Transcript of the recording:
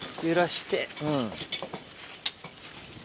揺らして。